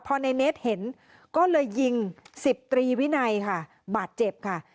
พอในเมตรเห็นก็เลยยิงสิบตรีวินัยค่ะบาดเจ็บค่ะ